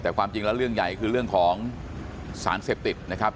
แต่ความจริงแล้วเรื่องใหญ่คือเรื่องของสารเสพติดนะครับ